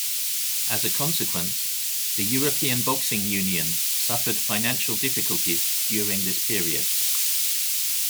As a consequence, the European Boxing Union suffered financial difficulties during this period.